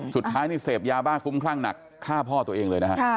สุดท้ายนี่เสพยาบ้าคุ้มคลั่งหนักฆ่าพ่อตัวเองเลยนะฮะ